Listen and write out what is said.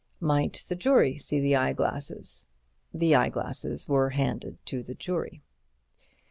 Might the jury see the eyeglasses? The eyeglasses were handed to the jury.